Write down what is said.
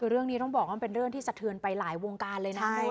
เรื่องนี้ต้องบอกว่ามันเป็นเรื่องที่สะเทือนไปหลายวงการเลยนะ